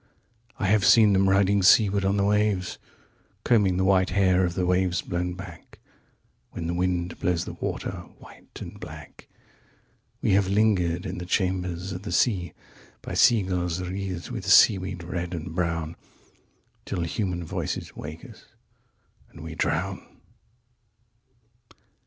126I have seen them riding seaward on the waves127Combing the white hair of the waves blown back128When the wind blows the water white and black.129We have lingered in the chambers of the sea130By sea girls wreathed with seaweed red and brown131Till human voices wake us, and we drown.